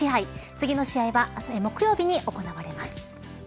次の試合はあさって木曜日に行われます。